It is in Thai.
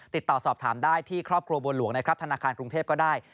ติดต่อสอบถามได้ที่ครอบครัวบัวหลวงนะครับธนาคารกรุงเทพก็ได้